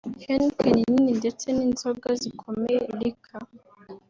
Heineken nini ndetse n’inzoga zikomeye(Liquor)